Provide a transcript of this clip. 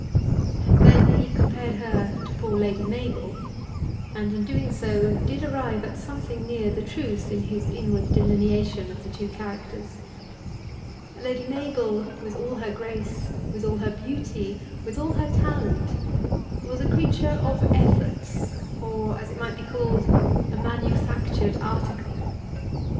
Then he compared her to poor Lady Mabel, and in doing so did arrive at something near the truth in his inward delineation of the two characters. Lady Mabel with all her grace, with all her beauty, with all her talent, was a creature of efforts, or, as it might be called, a manufactured article.